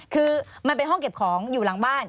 คือมันเป็นห้องเก็บของอยู่หลังบ้าน